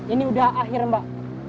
ini sudah akhir mbak